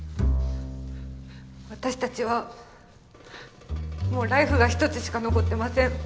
私たちはもうライフが１つしか残ってません。